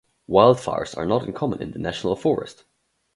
Wildfires are not uncommon in the National Forest.